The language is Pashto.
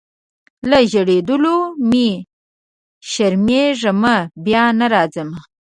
له ژړېدلو مي شرمېږمه بیا نه راځمه